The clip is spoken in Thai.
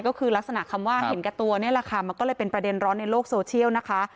ก็คือลักษณะคำว่าเห็นแก่ตัวนี่แหละค่ะมันก็เลยเป็นประเด็นร้อนในโลกโซเชียลนะคะ